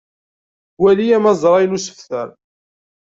Wali amazray n usebter.